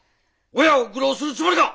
親を愚弄するつもりか！